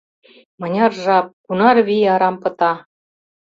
Мыняр жап, кунар вий арам пыта...